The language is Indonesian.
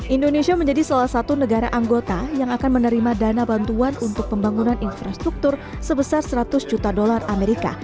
indonesia menjadi salah satu negara anggota yang akan menerima dana bantuan untuk pembangunan infrastruktur sebesar seratus juta dolar amerika